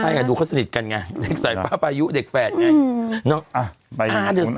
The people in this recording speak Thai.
ใช่ไงดูเขาสนิทกันไงเด็กสายป้าปายุเด็กแฝดไง